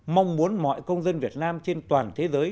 mong muốn mọi công dân việt nam trên toàn thế giới